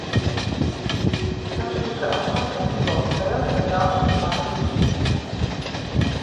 Tas tika atklāts ar futbola spēli starp Dānijas un Vācijas izlasēm.